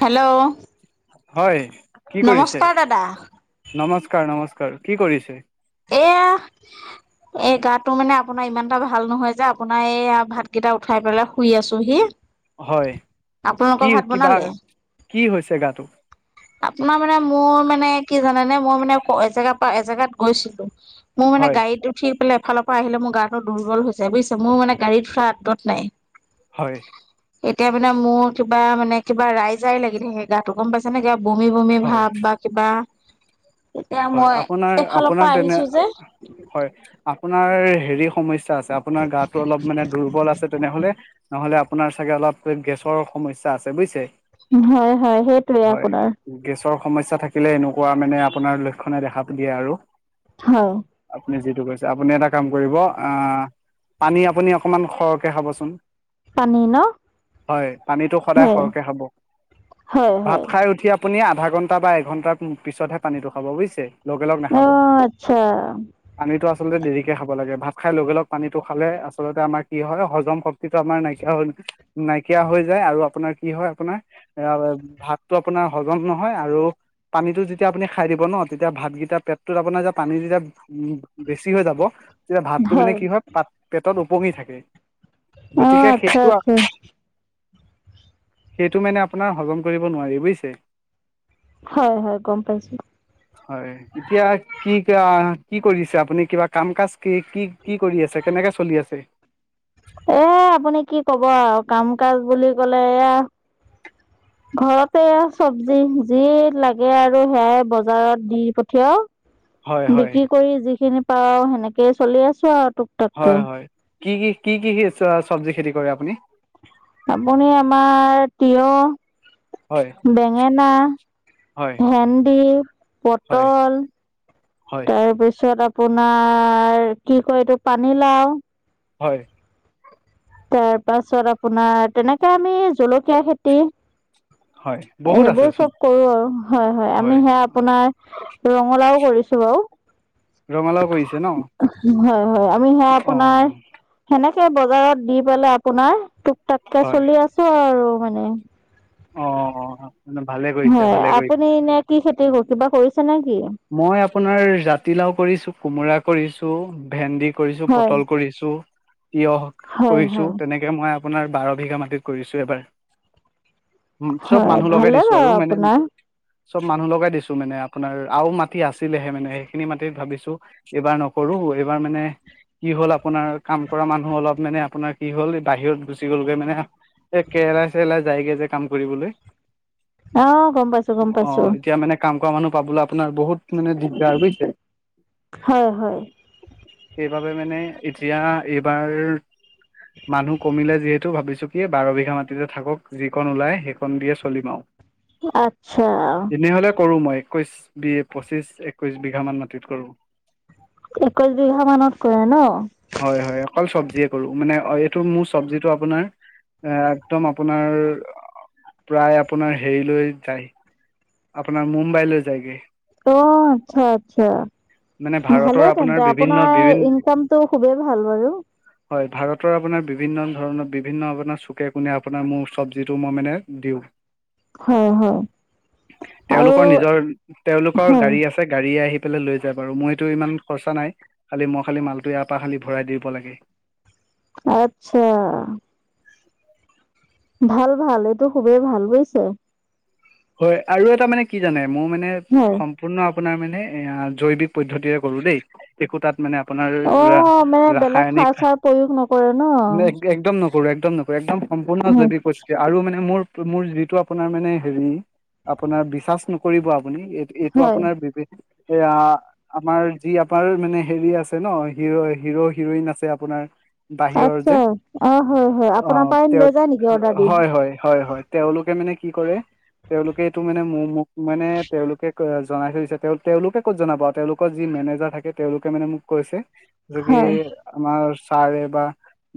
Hello হয় কি কৰিছে, দাদা নমস্কাৰ নমস্কাৰ কি কৰিছে? এয়া [inaudible] এই গাতটো মানে আপোনাৰ ইমান এটা ভাল নহয় যে আপোনাৰ এই ভাত কেইটা উঠাই পেলাই শুই আছোহি। হয় কি আপোনালোকৰ ভাত কিবা বনালে? কি হৈছে গাটো? আপোনাৰ মানে মোৰ মানে কি জানোনে মই মানে এজেগাৰ পৰা এজেগাত গৈছিলো। মোৰ মানে হয় গাড়ীত উঠি পেলাই এফালৰ পৰা আহিলে মোৰ গাটো দুৰ্বল হৈছে বুজি মোৰ মে গাড়ীত উঠা আদত নাই। হয়। এতিয়া মানে মোৰ কিবা মানে কিবা ৰাইজাই লাগিল থাকে গাটো গম পাইছে নে গা- বমি বমি হয় ভাৱ বা কিবা- এতিয়া হয় মই আপোনাৰ এফালৰ আপোনাৰ পৰা তেনে আহিছো যে। হয় আপোনাৰ হেৰি সমস্যা আছে আপোনাৰ গাটো অলপ মানে দুৰ্বল আছে তেনেহলে নহ'লে- আপোনাৰ চাগে অলপ গেছৰ সমস্যা আছে বুজিছে। হয় হয় সেইটোৱে হয় আপোনাৰ। গেছৰ সমস্যা থাকিলে এনেকুৱা মানে আপোনাৰ লক্ষণে দেখা দিয়ে আৰু। হয়। আপুনি যিটো কৈছে আপুনি এটা কাম কৰিব আ- পানী আপুনি অকমান সৰহকে খাবচোন। পানী ন হয় পানীটো সদায় হয় সৰহকে খাব, হয় ভাত হয় খাই উঠি। আপুনি আধা ঘণ্টা বা এঘণ্টাৰ পি পিছতহে পানীটো খাব বুজিছে। লগে লগ অ নাখাব। আচ্ছা পানীতটো আচলতে দেৰিকে খাব লাগে ভাত খাই লগে লগ পানীটো খালে আচলতে আমাৰ কি হয় হজম শ- শক্তিটো আমাৰ নাইকিয়া হৈ নাইকিয়া হৈ যায় আৰু আপোনাৰ কি হয় আপোনাৰ- অ' ভাতটো আপোনাৰ হজম নহয় আৰু পানীটো যেতিয়া আপুনি খাই দিব ন- তেতিয়া ভাতকেইটা পেটটো আপোনাৰ যেতিয়া পানী যেতিয়া উম বেছি হৈ যাব তেতিয়া ভাতটো মানে কি হয়- পাত পেটত উপঙি থাকে অ গতিকে আচ্ছা সেইটো- আচ্ছা সেইটো মানে আপোনাৰ হজম কৰিব নোৱাৰি বুজিছে। হয় হয় গম পাইছো। হয় এতিয়া। কি কা কি কৰিছে আপুনি কিবা কাম কাজ কি কি কি কৰি আছে কেনেকে চলি আছে? এ আপুনি কি কব আৰু কাম কাজ বুলি ক'লে এয়া। [inaudible] ঘৰতে চবজি যি লাগে আৰু সেয়াই বজাৰত দি পঠিয়াও। হয় হয় বিক্ৰী কৰি যিখিনি পাওঁ সেনেকেই চলি আছো আৰু তোক। হয় হয় কি কি কি কি চবজি খেতি কৰে আপুনি? আপুনি আমাৰ টিয়হ। হয় বেঙেনা, হয় ভেন্দি, হয় পটল। হয় তাৰ পিছত আপোনাৰ কি কয় এইটো পানীলাও। হয়। তাৰ পাছত আপোনাৰ তেনেকে আমি জলকীয়া খেতি। হয় বহুত সেইবোৰ আছেচোন চব কৰো আৰু হয় হয় আমি সেয়া আপোনাৰ। ৰঙালাও কৰিছো বাৰু। ৰঙালাও কৰিছে ন হয় হয় আমি সেয়া অ আপোনাৰ। সেনেকে বজাৰত দি পেলাই আপোনাৰ টুক টাককে হয় চলি আছো আৰু মানে। অ' অ অ ভালে কৰিছে হয় ভালে কৰিছে। আপুনি এনে কি খেতি কিবা কৰিছে নে কি? মই আপোনাৰ জাতিলাও কৰিছো, কোমোৰা কৰিছো। ভেন্দি কৰিছো, হয় পটল কৰিছোঁ। টিয়হ হয় কৰিছো হয় তেনেকে মই আপোনাৰ বাৰ বিঘা মাটিত কৰিছো এইবাৰ। উম চব হয় মানুহ লগাই ভালে দিছো বাৰু আৰু মানে আপোনাৰ চব মানুহ লগাই দিছো মানে আপোনাৰ। আৰু মাটি আছিলেহে মানে সেইখিনি মাটিত ভাবিছো এইবাৰ নকৰো এইবাৰ মানে। কি হ'ল আপোনাৰ কাম কৰা মানুহ অলপ মানে আপোনাৰ কি হ'ল বাহিৰত গুচি গ'লগৈ মানে। এই কেৰেলাই চেৰেলাই যায়গৈ যে কাম কৰিবলৈ, অঁ গম পাইছোঁ গম অ' পাইছোঁ এতিয়া মানে। কাম কৰা মানুহ পাবলৈ আপোনাৰ বহুত মানে দিগদাৰ বুজিছে। হয় হয়। সেইবাবে মানে এতিয়া এইবাৰ। মানুহ কমিলে যিহেতু ভাবিছো কি বাৰ বিঘা মাটিতে থাকক যিকন ওলাই সেইখন দিয়ে চলিম আৰু। [inaudible] আতচ্ছা। যিহ'লে কৰোঁ মই একৈছ বি পঁচিছ একৈছ বিঘামান মাটিত কৰোঁ। একৈশ বিঘা মানত কৰে ন'? হয় হয় অকল চব্জিয়ে কৰো মানে অ' এইটো মোৰ চব্জিটো আপোনাৰ। এ একদম আপোনাৰ প্ৰায় আপোনাৰ হেৰিলৈ যায়। আপোনাৰ মুম্বাইলৈ যায়গে। অ আচ্ছা আচ্ছা। মানে ভাৰতৰ ভালে আপোনাৰ তেন্তে বিভিন্ন আপোনাৰ বিভিন ইনকামতটো খুবেই ভাল বাৰু। হয় ভাৰতৰ আপোনাৰ বিভিন্ন ধৰণৰ বিভিন্ন আপোনাৰ চুকে কোণে আপোনাৰ মোৰ চব্জিটো মই মানে দিওঁ। হয় হয় তেওঁলোকৰ আৰু নিজৰ তেওঁলোকৰ হয় গাড়ী। পিছে গাড়ী আহি পেলাই লৈ যা বাৰু মইটো ইমান খৰচা নাই। খালি মই খালি মালটো ইয়াৰ পৰা খালি ভৰাই দিব লাগে। আচ্ছা। ভাল ভাল এইটো খুবেই ভাল বুজিছে। হয় আৰু এটা মানে কি জানে মোৰ মানে খং। হয় সম্পূৰ্ণ আপোনাৰ মানে এয়া জৈৱিক পদ্ধতিৰে কৰো দেই। একো তাত মানে আপোনাৰ অ ৰাস মানে বেলেগ সাৰ ৰাসায়নিক চাৰ প্ৰয়োগ নকৰে ন একদম ন। নপৰে একদম নপৰে একদম সম্পূৰ্ণ হয় জৈৱিক পৰিস্থিতি আৰু মানে মোৰ মোৰ যিটো আপোনাৰ মানে হেৰি। আপোনাৰ বিশ্বাস নকৰিব আপুনি এই এইটো হয় আপোনাৰ বিবেক এয়া। আমাৰ যি আপাৰ মানে হেৰি আছে ন হিৰো হিৰো হিৰইন আছে আপোনাৰ। বাহিৰৰ আচ্ছা যে, অ হয় হয় অ আপোনাৰ পৰাই লৈ যায় নেকি তেৱত অৰ্ডাৰ দি হয় হয় হয় হয়। তেওঁলোকে মানে কি কৰে। তেওঁলোকে এইটো মানে ম মোক তেওঁলোকে এটো মানে মো ম মানে তেওঁলোকে অ জনাই থৈ দিছে তেওঁ তেওঁলোকে ক'ত জনাব তেওঁলোক। কৰ যি মেনেজাৰ থাকে তেওঁলোকে মানে মোক কৈছে। বাকি হয় আমাৰ ছাৰে বা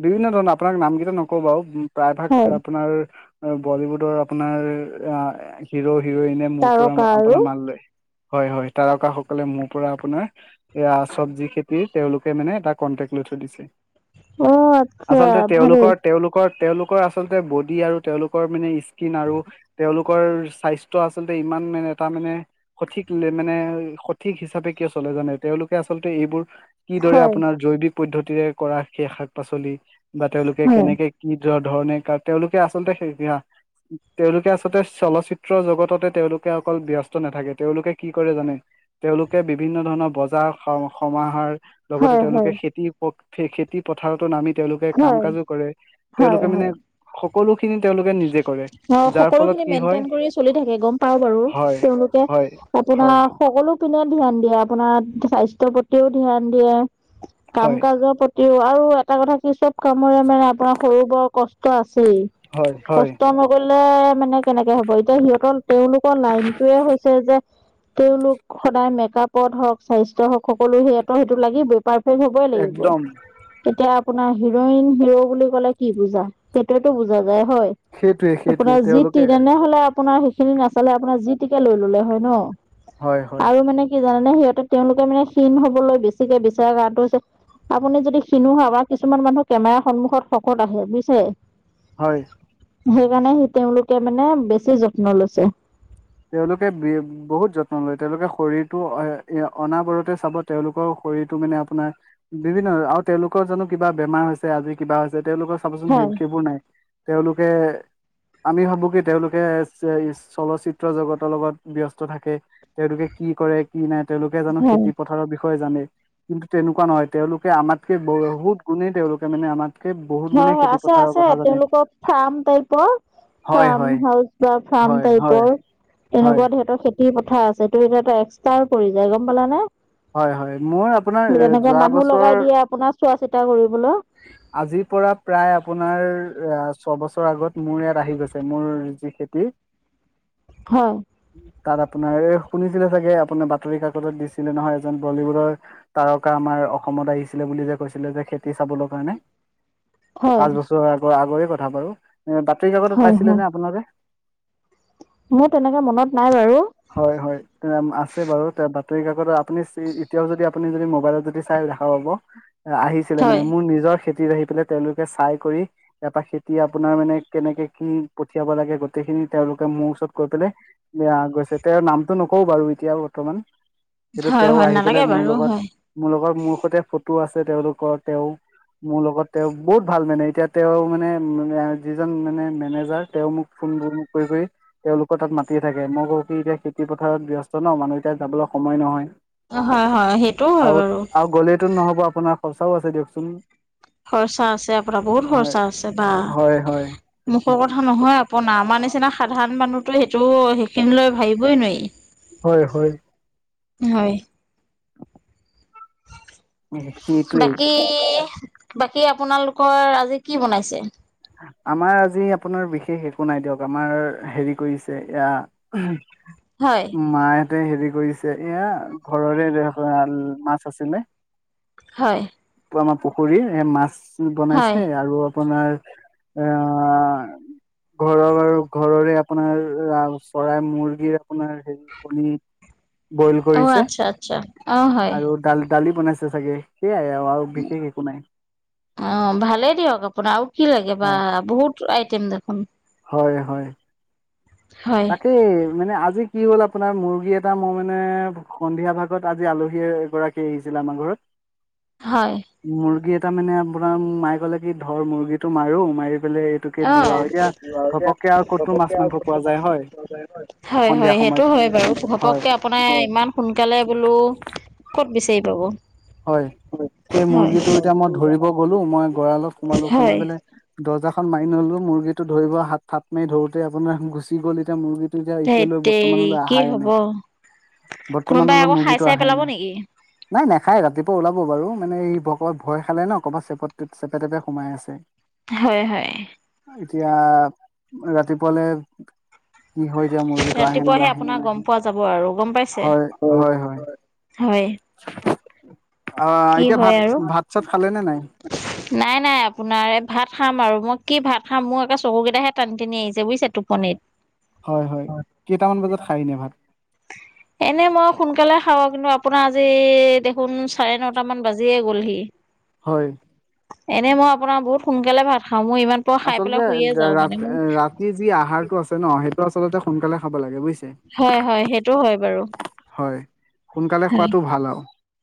বিভিন্ন ধৰণৰ আপোনাক নাম কেইটা নকওঁ বাৰু। প্ৰায় ভাগ হয় আপোনাৰ বলিউডৰ আপোনাৰ হিৰ হিৰইনে। মোৰ পৰা তাৰকা আৰু আপোনাৰ মাল লয় হয় হয় তাৰকাসকলে মোৰ পৰা আপোনাৰ। এয়া চবজি খেতি তেওঁলোকে মানে এটা কণ্টেক্ট লৈ থৈ দিছে। অ আচ্ছা আচলতে ভালেই তেওঁলোকৰ তেওঁলোকৰ তেওঁলোকৰ আচলতে বডি আৰু তেওঁলোকৰ মানে স্কিন আৰু তেওঁলোক লোকৰ স্বাস্থ্য আচলতে ইমান মানে এটা মানে সঠিক উন্নয়ন মানে সঠিক হিচাপে কিয় চলে জানে তেওঁলোকে আচলতে এইবোৰ কিদৰে হয় আপোনাৰ জৈৱিক পদ্ধতিৰে কৰা সেই শাক পাচলি বা তেওঁলোকে হয় কেনেকে কি ধৰণে কাৰ তেওঁলোকে আচলতে সেয়া তেওঁলোকে আচ তাতে চলচ্চিত্ৰ জগততে তেওঁলোকে অকল ব্যস্ত নাথাকে তেওঁলোকে কি কৰে জানে তেওঁলোকে বিভিন্ন ধৰণৰ বজাৰ সম সমাহাৰ লগতে হয় হয় তেওঁলোকে খেতি পথ খে খেত খেতি পথাৰটো নামি তেওঁলোকে কাম হয় কাজো কৰে হয় তেওঁলোকে হয় মানে সকলোখিনি তেওঁলোকে নিজে কৰে যাৰ ফলত কি হয় মেণ্টেইন কৰি চলি থাকে গম পাওঁ বাৰু হয় তেওঁলোকে হয় আপোনা হয় সকলো পিনে ধ্যান দিয়ে আপোনাৰ স্বাস্থ্যৰ প্ৰতিও ধ্যান দিয়ে কাম হয় কাজৰ প্ৰত আৰু এটা কথা কি চব কামৰে মানে আপোনাৰ সৰু বৰ কষ্ট আছেই। হয় হয় কষ্ট নকৰিলে মানে কেনেকে হ'ব এতিয়া সিহঁতৰ তেওঁলোকৰ লাইনটোয়ে হৈছে যে তেওঁলোক সদায় মেকআপত হওঁক স্বাস্থ্য হওঁক সকলো সিহঁতক সেইটো লাগিবই। পাৰফেক্ট হবই লাগিব একদম তেতিয়া, আপোনাৰ হিৰইন হিৰো বুলি ক'লে কি বুজা সেইটোয়তো বুজা যায় হয়। [unintelligible] আপোনাৰ যি তেওঁলোকে তেনেহলে আপোনাৰ খিনি নাচালে আপোনাৰ যি টিকে লৈ ললে হয় ন হয় হয় আৰু মানে কি জানোনে সিহঁতে, তেওঁলোকে মানে কীণ হবলৈ বেছিকে বিচাৰ কৰাটো হৈছে। আপুনি যদি শিনো বা কিছুমান মানুহ কেমেৰাৰ সন্মুখত শকত আহে বুজিছে। হয়। সেইকাৰণে সি তেওঁলোকে মানে বেছি যত্ন লৈছে। তেওঁলোকে বি বহুত যত্ন লয় তেওঁলোকে শৰীৰটো এ অনাবৰতে চাবত, তেওঁলোকৰ শৰীৰটো মানে আপোনাৰ। বিভিন্ন আৰু তেওঁলোকৰ জানো কিবা বেমাৰ হৈছে আজি কিবা হৈছে তেওঁলোকৰ চাবচোন সেই হয় সেইবোৰ নাই। তেওঁলোকে আমি ভাবো কি তেওঁলোকে চলচিত্ৰ জগতৰ লগত ব্যস্ত থাকে তেওঁলোকে কি কৰে। কি নাই তেওঁলোকে জানো হয় খেতি পথাৰৰ বিষয়ে জানে। কিন্তু তেনেকুৱা নহয় তেওঁলোকে আমাতকে বহুত গুণেই তেওঁলোকে মানে আমাৰ। হয় হয় আছে আছে তেওঁলোকৰ ফাৰ্ম টাইপৰ। হয় ফাৰ্ম হয় হাউচ বা ফাৰ্ম হয় হয় টাইপৰ। হয় এনেকুৱা ধিহঁতৰ খেতি পথাৰ আছে ত এতিয়াটা এক্সট্ৰা পৰি যায় গম পালানে। হয় হয় মোৰ আপোনাৰ তেনেকে যোৱা মানুহ বছৰ লগাই দিয়ে আপোনাৰ চোৱা চিতা কৰিবলৈ। আজিৰ পৰা প্ৰায় আপোনাৰ ছবছৰ আগত মোৰ ইয়াত আহি গৈছে মোৰ যি খেতি। [inaudible] হয়। তাত আপোনাৰ এই শুনিছিলে চাগে আপোনাৰ বাতৰি কাকত দিছিলে নহয় এজন বলীউডৰ। তাৰকা আমাৰ অসমত আহিছিলে বুলি যে কৈছিলে যে খেতি চাবলৈ কাৰণে। হয়, পাঁচ বছৰৰ আগৰ আগৰে কথা বাৰো এ বাতৰি কাকত হয়, পাইছিলে হয়, নে আপোনালোকে। মোৰ তেনেকে মনত নাই বাৰু হয় হয় আছে বাৰু বাতৰি কাকত আপুনি এতিয়াও যদি আপুনি যদি মোবাইলত যদি। চাই দেখা পাব আহিছিলে মানে হয়, মোৰ নিজৰ খেতিত আহি পেলাই তেওঁলোকে চাই কৰি। তাৰপা খেতি আপোনাৰ মানে কেনেকে কি পঠিয়াব লাগে, গোটেইখিনি তেওঁলোকে মোৰ ওচৰত কৈ পেলাই [unintelligible] বেয়া গৈছে তেওঁৰ নামটো নকওঁ বাৰু এতিয়া বৰ্তমান। [unintelligible] কিন্তু হয়, তেওঁ হয়, আহি নালাগে পেলাই মোৰ বাৰু লগত, হয়, মোৰ লগত মোৰ সৈতে ফটো আছে তেওঁলোকৰ তেওঁ। [unintelligible] মোৰ লগত তেওঁ বহুত ভাল মানে। এতিয়া তেওঁ মানে যিজন মানে মেনেজাৰ তেওঁ মোক [unintelligible] ফোনবোৰ কৰি-কৰি [unintelligible] তেওঁলোকৰ তাত মাতিয়ে থাকে। মই কওঁ কি এতিয়া খেতি পথাৰত ব্যস্ত ন' মানুহ এতিয়া যাবলৈ সময় নহয়। [unintelligible] হয়, হয়, সেইটোও হয় বাৰু। আৰু-আৰু গ'লেতো নহ'ব আপোনাৰ খৰচাও আছে দিয়কচোন। [unintelligible] খৰচা আছে আপোনাৰ, বহুত হয় খৰচা আছে বা হয় হয় মুখৰ কথা নহয় আ [unintelligible] আপোনাৰ আমাৰ নিচিনা সাধাৰণ মানুহতো সেইটো সেইখিনি লৈ ভাবিবই নোৱাৰি। [unintelligible] হয়-হয়। [unintelligible] হয়। [inaudible] [unintelligible] সেইটোৱেই বাকী-বাকী আপোনালোকৰ আজি কি বনাইছে? [unintelligible] আমাৰ আজি আপোনাৰ বিশেষ একো নাই দিয়ক। আমাৰ হেৰি কৰিছে এয়া [unintelligible] [unintelligible] হয়। [unintelligible] মাহঁতে হেৰি কৰিছে এয়া ঘৰৰে [unintelligible] মাছ আছিলে। হয়। [unintelligible] [unintelligible] আমাৰ পুখুৰীৰ এ মাছ হয়। বনাইছে আৰু আপোনাৰ আহ ঘৰৰ বাৰু ঘৰৰে আপোনাৰ [unintelligible] চৰাই, মুৰ্গীৰ আপোনাৰ কণী বইল অ', কৰিছে আচ্ছা, আচ্ছা, অ', হয়। আৰু [unintelligible] দালি-দালি বনাইছে চাগে সেয়াই আৰু-আৰু বিশেষ একো নাই। [unintelligible] অঁ! ভালেই দিয়ক আপোনাৰ আৰু কি লাগে বা বহুত আইটেম দেখোন। [unintelligible] হয়-হয়। [inaudible] হয়, তাকেই মানে আজি কি হ'ল আপোনাৰ মুৰ্গী এটা মই মানে [unintelligible] সন্ধিয়া ভাগত আজি আলহী এগৰাকী আহিছিলে আমাৰ ঘৰত। [unintelligible] হয়। [unintelligible] মুৰ্গী এটা মানে আপোনাৰ মায়ে ক'লে কি ধৰ মুৰ্গীটো মাৰো, মাৰি পেলাই [unintelligible] অঁ! আৰু [unintelligible] এতিয়া [unintelligible] ঘপককে আৰু ক'তো মাছ মাংস পোৱা যায় হয় সন্ধিয়া হয়-হয়, সেইটো সময়ত হয় বাৰু হয় ঘপককে আপোনাৰ ইমান সোনকালে বোলো ক'ত বিচাৰি পাব। [unintelligible] হয়। সেই হয় মুৰ্গীটো এতিয়া মই ধৰিব গলোঁ, মই গঁৰালত সোমালো, সোমাই হয় পেলাই [unintelligible] দৰ্জাখন মাৰি নললো। মুৰ্গীটো ধৰিব হাত থাপ মাৰি ধৰোতে আপোনাৰ গুচি গ'ল এতিয়া মুৰ্গীটো। [unintelligible] [unintelligible] যে ধেত এতিয়ালৈ তেৰি বৰ্তমানলৈ কি অহাই হ'ব নাই। কোনোবাই বৰ্তমানলৈ আকৌ খাই মুৰ্গীটো চাই অহাই পেলাব নাই। নেকি নাই-নাই [unintelligible] খাই ৰাতিপুৱা ওলাব বাৰু মানে ক'ৰবাত ভয় খালে ন। ক'ৰবাত চেপেট-চেপেটাতে সোমাই আছে। [unintelligible] হয়-হয়। [unintelligible] এতিয়া ৰাতিপুৱালে কি হয়? [unintelligible] আহে নে ৰাতিপুৱাহে নাহে আপোনাৰ গম পোৱা যাব আৰু গম পাইছে? [unintelligible] হয়। [unintelligible] অঁ, কি এতিয়া হয় ভাত-ভাত-চাত খালে নে নাই? নাই-নাই আপোনাৰ এই ভাত খাম আৰু মই কি ভাত খাম মোৰ আকৌ চকুকেইটাহে টানি-টানি আহিছে বুজিছে টোপনিত। [unintelligible] হয়-হয়। কেইটামান বজাত খাই এনেই ভাত? [unintelligible] এনেই মই সোনকালে খাওঁ কিন্তু আপোনাৰ আজি দেখোন চাৰে ন [unintelligible] নটামান বাজিয়ে গ'লহি। [unintelligible] হয়। [unintelligible] এনেই মই আপোনাৰ বহুত সোনকালে ভাত খাওঁ মই ইমান প খাই আচলতে পেলাই শুইয়ে যাওঁ ৰা মানে মোৰ- ৰাতি যি আহাৰটো আছে ন সেইটো আচলতে সোনকালে খাব লাগে বুজিছে। হয় হয় সেইটো হয় বাৰু। হয়, সোনকালে হয় খোৱাতটো ভাল আৰু।